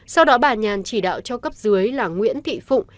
sau đó bà nhàn chỉ đạo cho cấp dưới là nguyễn thị phụng